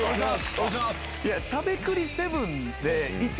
お願いします。